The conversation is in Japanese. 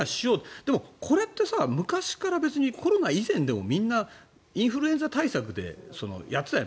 でも、これって昔からコロナ以前でも、みんなインフルエンザ対策でやってたじゃない。